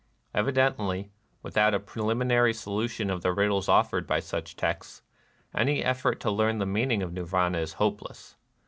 Evidently, without a preliminary solution of the riddles offered by such texts, any effort to learn the meaning of Nirvana is hopeless.